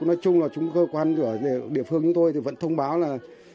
nói chung là chúng cơ quan của địa phương chúng tôi thì vẫn thông báo là